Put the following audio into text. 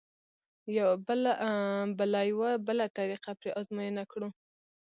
به لا یوه بله طریقه پرې ازموینه کړو.